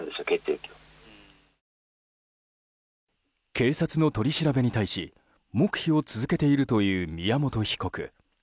警察の取り調べに対し黙秘を続けているという宮本被告。